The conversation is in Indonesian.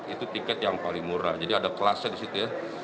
itu tiket yang paling murah jadi ada kelasnya di situ ya